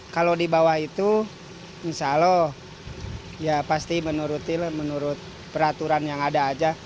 kalau di bawah itu insya allah ya pasti menurut peraturan yang ada aja